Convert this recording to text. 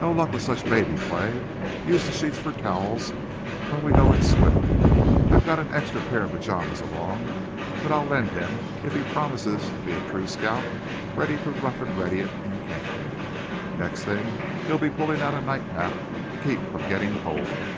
No luck with such baby play. Use the sheets for towels when we go in swimming; I've got an extra pair of pajamas along, that I'll lend him, if he promises to be a true scout, ready to rough and ready it in camp. Next thing he'll be pulling out a nightcap to keep from getting cold!"